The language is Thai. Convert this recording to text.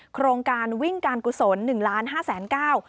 โครงการวิ่งการกุศล๑๕๐๐๐๐๐ก้าว